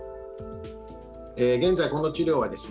現在この治療はですね